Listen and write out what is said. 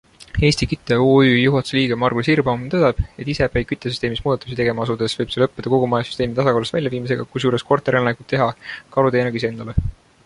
Eesti Küte OÜ juhatuse liige Margus Hirbaum tõdeb, et isepäi küttesüsteemis muudatusi tegema asudes võib see lõppeda kogu maja süsteemi tasakaalust välja viimisega, kusjuures korterielanik võib teha karuteene ka iseendale.